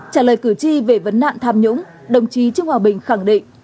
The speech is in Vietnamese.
trả lời cử tri về vấn nạn tham nhũng đồng chí trương hòa bình khẳng định